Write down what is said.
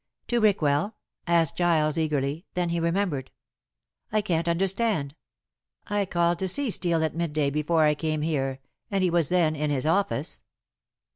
"To Rickwell?" asked Giles eagerly; then he remembered. "I can't understand. I called to see Steel at midday before I came here, and he was then in his office."